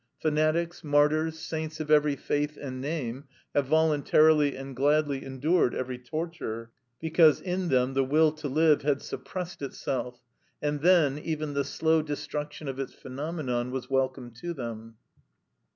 Fanatics, martyrs, saints of every faith and name, have voluntarily and gladly endured every torture, because in them the will to live had suppressed itself; and then even the slow destruction of its phenomenon was welcome to them.